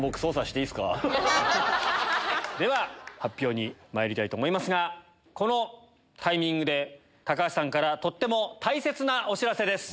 では発表にまいりたいと思いますがこのタイミングで橋さんからとっても大切なお知らせです。